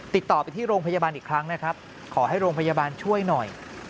ติดต่อไปที่โรงพยาบาลอีกครั้งนะครับขอให้โรงพยาบาลช่วยหน่อย